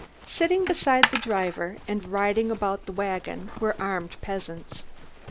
Sitting beside the driver and riding about the wagon were armed peasants.